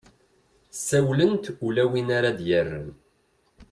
ssawlent ula win ara ad-yerren